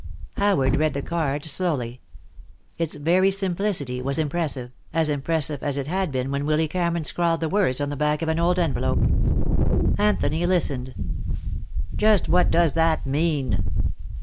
Howard read the card slowly. Its very simplicity was impressive, as impressive as it had been when Willy Cameron scrawled the words on the back of an old envelope. Anthony listened. "Just what does that mean?"